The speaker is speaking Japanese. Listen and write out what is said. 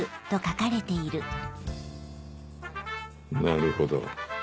なるほど。